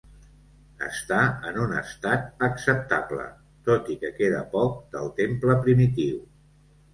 Està en un estat acceptable, tot i que queda poc del temple primitiu.